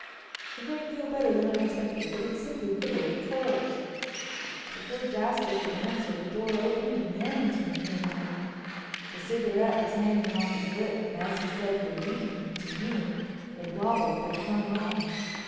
"A great deal better than I expected, but it's simply riddled with holes." Before Jasper could answer the door opened and Yerrington came in. The cigarette was hanging off his lip and as he said "Good evening" to me it wobbled but clung on.